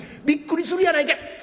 びっくりするやないかい！」。